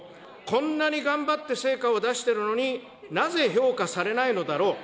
こんなに頑張って成果を出してるのに、なぜ評価されないのだろう。